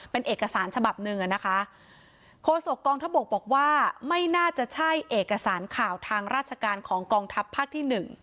เป็นเอกสารฉบับหนึ่งอ่ะนะคะโฆษกองทบกบอกว่าไม่น่าจะใช่เอกสารข่าวทางราชการของกองทัพภาคที่หนึ่ง